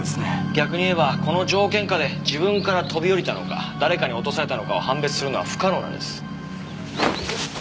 逆に言えばこの条件下で自分から飛び降りたのか誰かに落とされたのかを判別するのは不可能なんです。